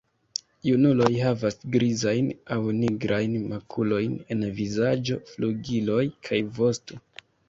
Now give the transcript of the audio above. Junuloj havas grizajn aŭ nigrajn makulojn en vizaĝo, flugiloj kaj vosto.